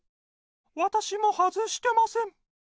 わたしも外してません。